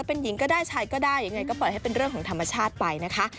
เป็นหญิงก็ได้ชายก็ได้ยังไงก็ปล่อยให้เป็นเรื่องของธรรมชาติไปนะคะ